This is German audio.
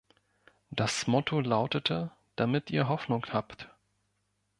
Das Motto lautete "Damit ihr Hoffnung habt".